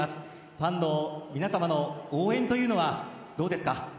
ファンの皆様の応援というのはどうですか？